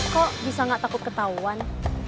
kok bisa gak takut ketahuan